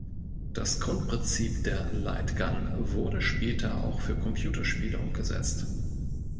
Das Grundprinzip der Lightgun wurde später auch für Computerspiele umgesetzt.